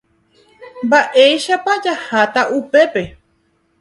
Mba'éichapa jaháta upépe.